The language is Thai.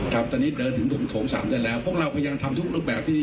ครับตอนนี้เดินถึงตรงโถง๓เดือนแล้วพวกเราพยายามทำทุกรูปแบบที่